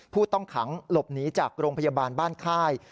ผู้ต้องขังหลบหนีจากโรงพยาบาลบ้านค่าย